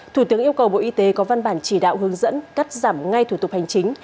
thủ tướng yêu cầu bộ y tế có văn bản chỉ đạo hướng dẫn cắt giảm ngay thủ tục hành chính